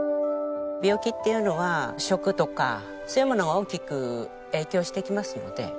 病気っていうのは食とかそういうものが大きく影響してきますので。